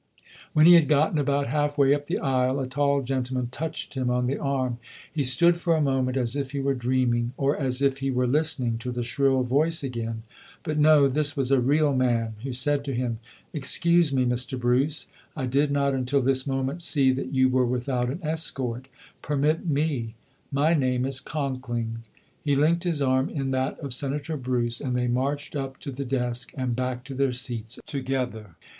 When he had gotten about half way up the aisle, a tall gentleman touched him on the arm. He stood for a moment as if he were dreaming or as if he were listening to the shrill voice again. But no, this was a real man who said to him, "Excuse me, Mr. Bruce, I did not until this moment see that you were without an escort. Permit me. My name is Conkling". He linked his arm in that of Senator Bruce and they marched up to the desk and back to their seats together.